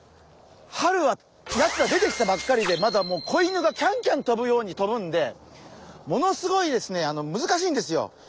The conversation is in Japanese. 春はやつら出てきたばっかりで子犬がキャンキャン飛ぶように飛ぶんでものすごいですね難しいんですよ。